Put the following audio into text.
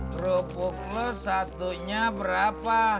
krupuk lo satunya berapa